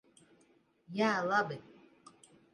Jā, labi.